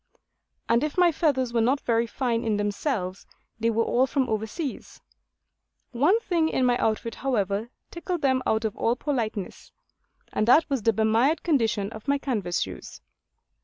And if my feathers were not very fine in themselves, they were all from over seas. One thing in my outfit, however, tickled them out of all politeness; and that was the bemired condition of my canvas shoes.